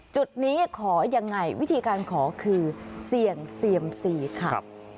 จุดนี้ขอยังไงวิธีการขอคือเสี่ยงเซียมซีค่ะ